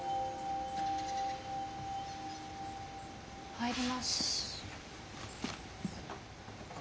入ります。